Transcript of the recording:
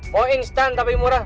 point stand tapi murah